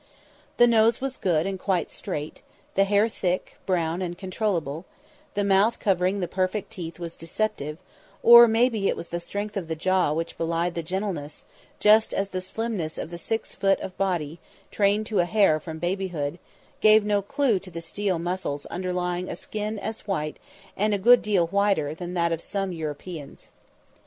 The nose was good and quite straight; the hair thick, brown and controllable; the mouth covering the perfect teeth was deceptive, or maybe it was the strength of the jaw which belied the gentleness, just as the slimness of the six foot of body, trained to a hair from babyhood, gave no clue to the steel muscles underlying a skin as white as and a good deal whiter than that of some Europeans.